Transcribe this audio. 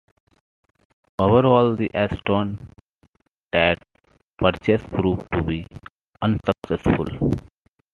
Overall, the Ashton-Tate purchase proved to be unsuccessful.